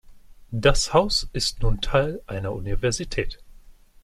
Das Haus ist nun Teil einer Universität.